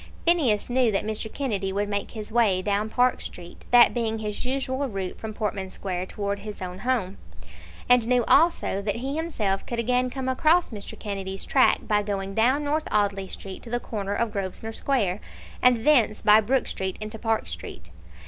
Phineas knew that Mr. Kennedy would make his way down Park Street, that being his usual route from Portman Square towards his own home, and knew also that he himself could again come across Mr. Kennedy's track by going down North Audley Street to the corner of Grosvenor Square, and thence by Brook Street into Park Street.